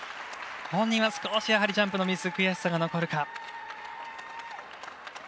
本人は少しジャンプのミス悔しさが残るか。